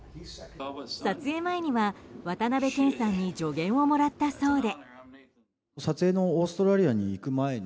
撮影前には、渡辺謙さんに助言をもらったそうで。